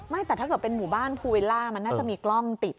แต่ถ้าเกิดเป็นหมู่บ้านภูวิลล่ามันน่าจะมีกล้องติด